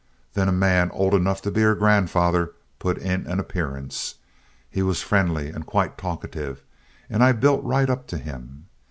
Then a man old enough to be her grandfather put in an appearance. He was friendly and quite talkative, and I built right up to him.